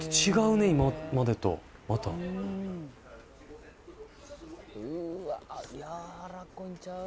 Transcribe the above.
またうわやわらこいんちゃう？